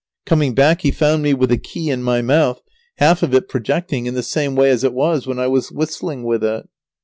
Coming back he found me with the key in my mouth, half of it projecting, in the same way as it was when I was whistling with it.